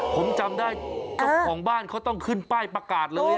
ผมจำได้เจ้าของบ้านเขาต้องขึ้นป้ายประกาศเลย